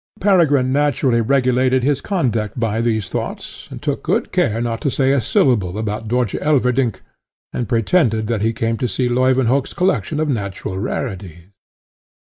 Peregrine naturally regulated his conduct by these thoughts, and took good care not to say a syllable about Dörtje Elverdink, and pretended that he came to see Leuwenhock's collection of natural rarities.